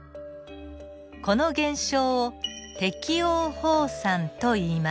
この現象を適応放散といいます。